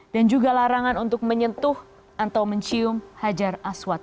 dan juga larangan untuk menyentuh atau mencium hajar aswad